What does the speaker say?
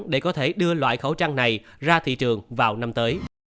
để có thể đưa loại khẩu trang này ra thị trường vào năm tới